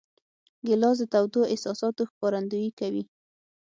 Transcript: ګیلاس د تودو احساساتو ښکارندویي کوي.